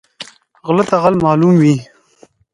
غله ته غل معلوم وي